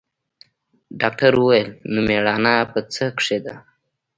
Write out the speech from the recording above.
ډاکتر وويل نو مېړانه په څه کښې ده.